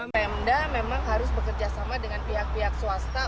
memda memang harus bekerjasama dengan pihak pihak swasta